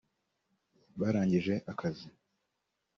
Barangije akazi